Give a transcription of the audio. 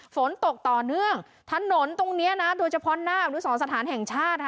ฝนตกต่อเนื่องถนนตรงเนี้ยนะโดยเฉพาะนาบหรือสองสถานแห่งชาติ